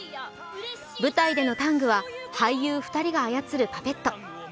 舞台でのタングは、俳優２人が操るパペット。